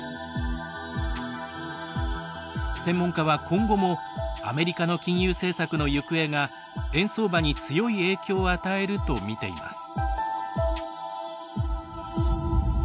専門家は今後もアメリカの金融政策の行方が円相場に強い影響を与えるとみています。